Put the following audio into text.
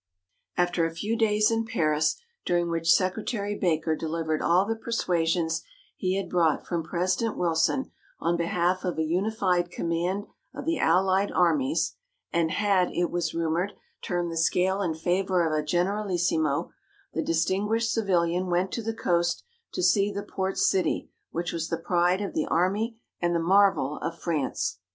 After a few days in Paris, during which Secretary Baker delivered all the persuasions he had brought from President Wilson on behalf of a unified command of the Allied armies, and had, it was rumored, turned the scale in favor of a generalissimo, the distinguished civilian went to the coast to see the port city which was the pride of the army and the marvel of France.